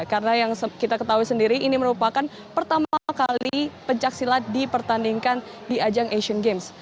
karena yang kita ketahui sendiri ini merupakan pertama kali pencaksilat dipertandingkan di ajang asian games